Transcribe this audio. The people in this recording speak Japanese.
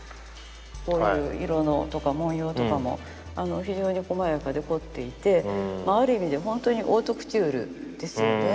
こういう色とか文様とかも非常にこまやかで凝っていてある意味で本当にオートクチュールですよね。